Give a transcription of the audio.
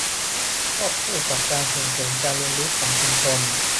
ควบคู่กับการส่งเสริมการเรียนรู้ของชุมชน